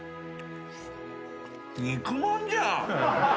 肉まんじゃん。